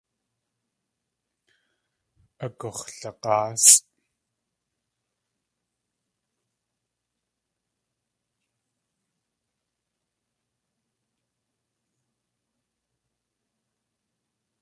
Agux̲lag̲áasʼ.